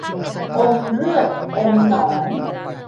อมเลือดอมหนอง